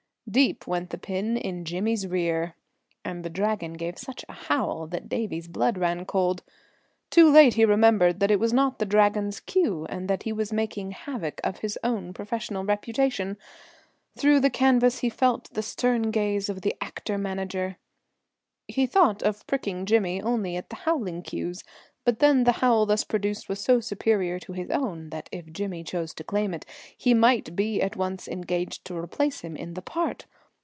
Deep went the pin in Jimmy's rear, and the Dragon gave such a howl that Davie's blood ran cold. Too late he remembered that it was not the Dragon's cue, and that he was making havoc of his own professional reputation. Through the canvas he felt the stern gaze of the actor manager. He thought of pricking Jimmy only at the howling cues, but then the howl thus produced was so superior to his own, that if Jimmy chose to claim it, he might be at once engaged to replace him in the part.